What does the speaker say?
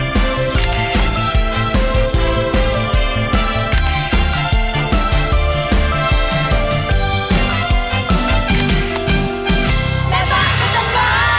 แม่บ้านเจอจรรย์บ้าน